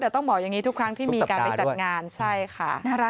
แต่ต้องบอกอย่างนี้ทุกครั้งที่มีการไปจัดงานใช่ค่ะน่ารัก